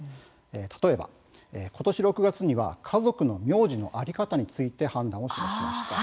例えばことし６月には家族の名字の在り方について判断を示しました。